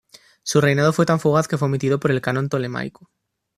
Su reinado fue tan fugaz, que fue omitido por el "Canon Ptolemaico".